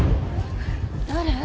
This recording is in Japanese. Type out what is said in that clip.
誰？